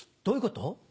どういうこと？